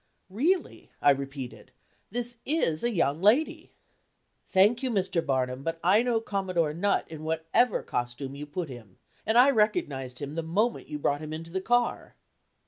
"Really," I repeated, "this is a young lady." "Thank you, Mr. Barnum, but I know Commodore Nutt in whatever costume you put him; and I recognized him the moment you brought him into the car."